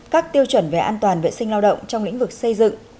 các tiêu chuẩn về an toàn vệ sinh lao động trong lĩnh vực xây dựng